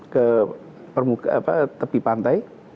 ke tepi pantai